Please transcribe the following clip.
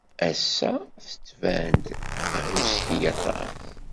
Ass-a, tettban-d tehhuski aṭas.